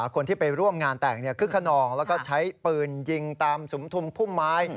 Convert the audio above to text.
คนที่ไปร่วมงานแต่งก็ใช้ปืนยิงตามสมทุมพุ่มไม้